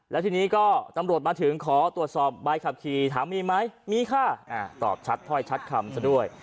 แล้วทีนี้ก็ตำรวจมาถึงขอตรวจสอบใบขับขี่ถามมีไหมมีค่ะตอบชัดถ้อยชัดคำซะด้วย